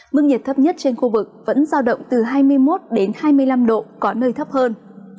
mức nhiệt thấp nhất trên khu vực vẫn giao động từ hai mươi một hai mươi năm độ có nơi thấp hơn